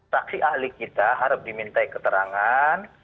taksi ahli kita harap diminta keterangan